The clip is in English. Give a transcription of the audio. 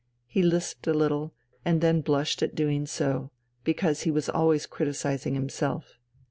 He lisped a little and then blushed at doing so, because he was always criticizing himself.